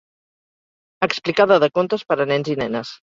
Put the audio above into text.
Explicada de contes per a nens i nenes.